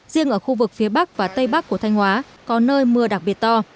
riêng ở khu vực phía bắc và tây bắc của thanh hóa có nơi mưa đặc biệt to